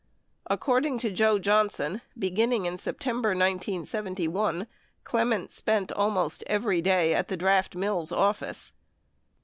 Accord ing to Joe Johnson, beginning in September 1971, Clement spent al most every day at the Draft Mills office.